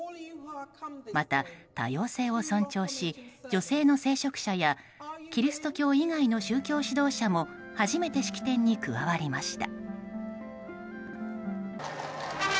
また、多様性を尊重し女性の聖職者やキリスト教以外の宗教指導者も初めて式典に加わりました。